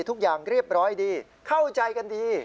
ทุกอย่างเรียบร้อยดีเข้าใจกันดี